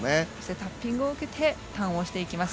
タッピングを受けてターンをしていきます。